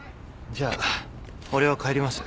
じゃあ俺は帰ります。